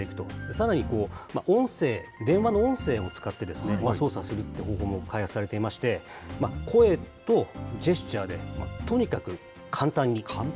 さらに音声、電話の音声を使って操作するという方法も開発されていまして、声とジェスチャーで、とにかく簡単に。